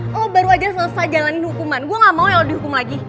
lo baru aja selesai jalanin hukuman gua gak mau ya lo dihukum lagi